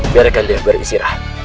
biarkan dia berisirah